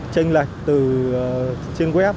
tranh lệch từ trên web